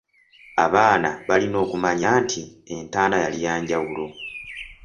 Abaana balina okukimanya nti entaana yali ya njawulo.